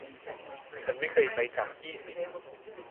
ฉันไม่เคยไปจากยี่สิบ